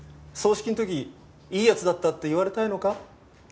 葬式の時「いい奴だった」って言われたいのか？